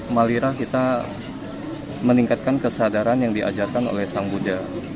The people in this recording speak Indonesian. malira kita meningkatkan kesadaran yang diajarkan oleh sang buddha